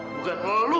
bukan mau ngelu